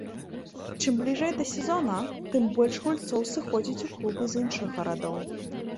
Чым бліжэй да сезона, тым больш гульцоў сыходзіць у клубы з іншых гарадоў.